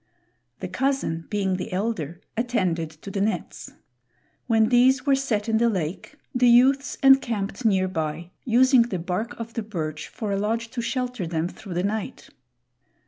The cousin, being the elder, attended to the nets. When these were set in the lake, the youths encamped near by, using the bark of the birch for a lodge to shelter them through the night.